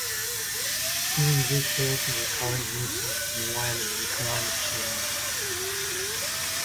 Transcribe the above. Steven Guilbeault is the current minister of environment and climate change.